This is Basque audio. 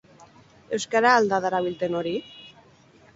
Euskara al da darabilten hori?